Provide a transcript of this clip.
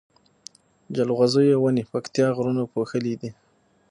جلغوزيو ونی پکتيا غرونو پوښلي دی